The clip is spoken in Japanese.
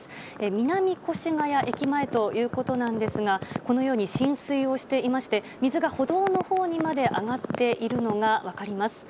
南越谷駅前ということなんですがこのように浸水をしていまして水が歩道のほうにまで上がっているのが分かります。